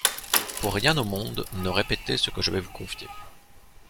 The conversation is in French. Pour rien au monde, ne répétez ce que je vais vous confier.